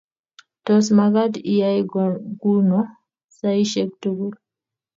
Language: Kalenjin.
Tos, magaat iyay kuno saishek tugul?